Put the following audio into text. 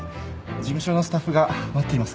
事務所のスタッフが待っていますから。